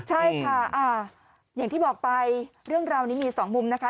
ใช่ค่ะอย่างที่บอกไปเรื่องราวนี้มี๒มุมนะคะ